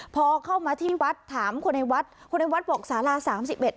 พอเข้ามาที่วัดถามคนในวัดคนในวัดบอกสาราสามสิบเอ็ด